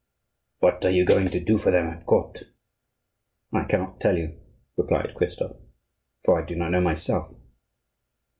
What are you going to do for them at court?" "I cannot tell you that," replied Christophe; "for I do not know myself."